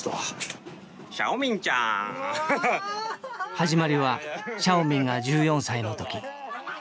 始まりはシャオミンが１４歳の時。